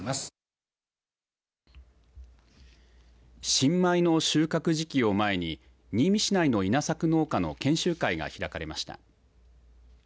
新米の収穫時期を前に新見市内の稲作農家の研修会が開かれました。